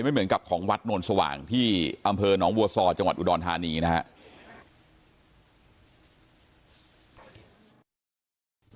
ไม่เหมือนกับของวัดโนนสว่างที่อำเภอหนองบัวซอจังหวัดอุดรธานีนะครับ